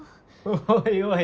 おいおい